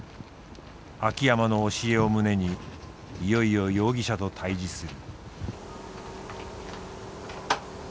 秋山の教えを胸にいよいよ容疑者と対峙する。